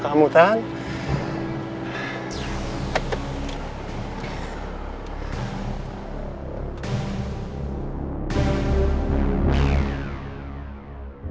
kamu harus selamat